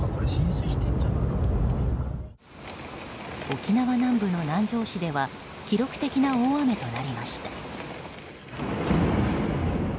沖縄南部の南城市では記録的な大雨となりました。